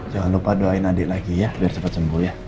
jangan lupa doain adik lagi ya biar cepat sembuh ya